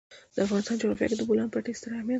د افغانستان جغرافیه کې د بولان پټي ستر اهمیت لري.